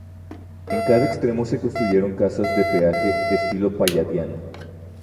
En cada extremo se construyeron casas de peaje de estilo palladiano.